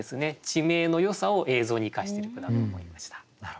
地名のよさを映像に生かしてる句だと思いました。